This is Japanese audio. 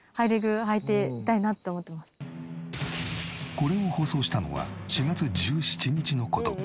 これを放送したのは４月１７日の事。